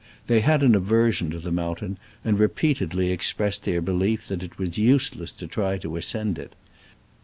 They had an aver sion to the mountain, and repeatedly expressed their belief that it was useless to try to ascend it.